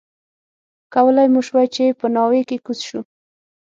کولای مو شوای چې په ناوې کې کوز شو.